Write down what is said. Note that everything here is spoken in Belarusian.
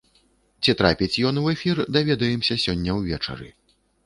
Ці трапіць ён у эфір, даведаемся сёння ўвечары.